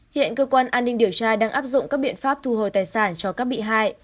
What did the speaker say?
hiện cơ quan an ninh điều tra đang áp dụng các biện pháp thu hồi tài sản cho các bị hại